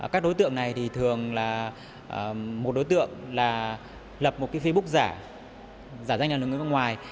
các đối tượng này thì thường là một đối tượng là lập một cái facebook giả giả danh là được người nước ngoài